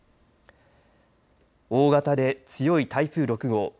大型で強い台風６号。